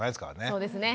そうですね。